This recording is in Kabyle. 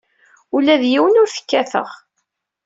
Ula d yiwen ur t-kkateɣ.